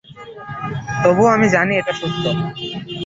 তবুও আমি জানি এটা সত্য।